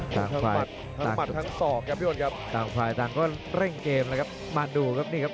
ต่างฝ่ายต่างจุดต่างฝ่ายต่างฝ่ายต่างก็เร่งเกมนะครับมาดูครับนี่ครับ